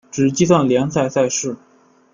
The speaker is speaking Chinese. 只计算联赛赛事。